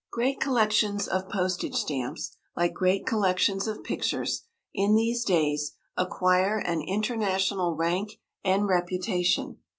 Great collections of postage stamps, like great collections of pictures, in these days acquire an international rank and reputation.